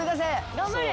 頑張れ！